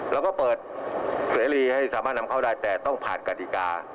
เราก็เปิดเสรีให้สามารถนำเข้าได้แต่ต้องผ่านกฎิกา